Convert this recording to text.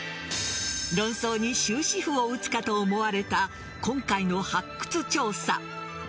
論争に終止符を打つかと思われた今回の発掘調査。